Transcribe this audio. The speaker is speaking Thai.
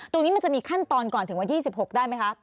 ตรงนี้มันจะมีขั้นตอนก่อนถึงวันที่๑๖ได้ไหมคะ